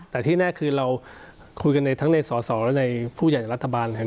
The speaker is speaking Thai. แต่ที่แน่คือเราคุยกันทั้งในส่อและในผู้ใหญ่และรัฐบาล